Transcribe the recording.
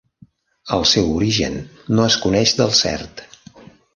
El seu origen no es coneix del cert.